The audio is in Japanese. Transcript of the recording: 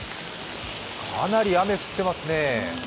かなり雨降ってますね。